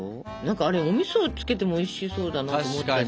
あれおみそつけてもおいしそうだなと思ったし。